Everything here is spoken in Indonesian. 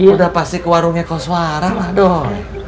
udah pasti ke warungnya koswara lah dong